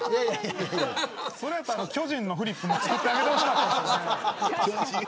それだったら巨人のフリップも作ってあげてほしかった。